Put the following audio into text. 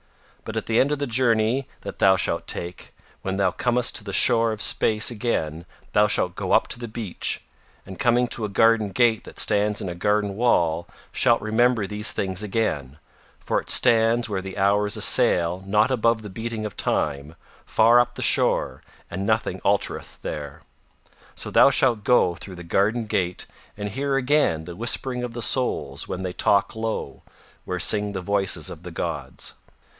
But at the end of the journey that thou shalt take, when thou comest to the shore of space again thou shalt go up the beach, and coming to a garden gate that stands in a garden wall shalt remember these things again, for it stands where the hours assail not above the beating of Time, far up the shore, and nothing altereth there. So thou shalt go through the garden gate and hear again the whispering of the souls when they talk low where sing the voices of the gods.